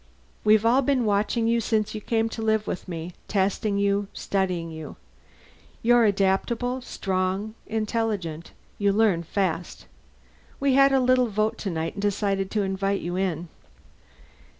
We've all been watching you since you came to live with me, testing you, studying you. You're adaptable, strong, intelligent. You learn fast. We had a little vote tonight, and decided to invite you in."